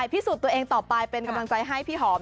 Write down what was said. พิสูจน์ตัวเองต่อไปเป็นกำลังใจให้พี่หอม